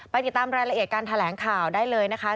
ติดตามรายละเอียดการแถลงข่าวได้เลยนะคะ